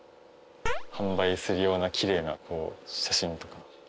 販売するようなきれいな写真とか。